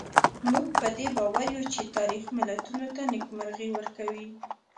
موږ په دې باور یو چې تاریخ ملتونو ته نېکمرغي ورکوي.